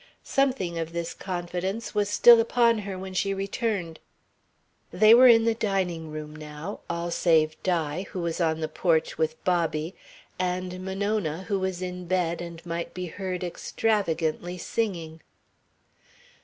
Something of this confidence was still upon her when she returned. They were in the dining room now, all save Di, who was on the porch with Bobby, and Monona, who was in bed and might be heard extravagantly singing.